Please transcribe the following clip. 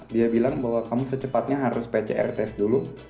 dia bilang bahwa kamu secepatnya harus pcr test dulu